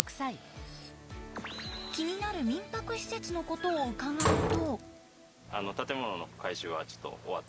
気になる民泊施設のことを伺うと。